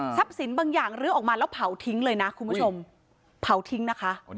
สินบางอย่างลื้อออกมาแล้วเผาทิ้งเลยนะคุณผู้ชมเผาทิ้งนะคะ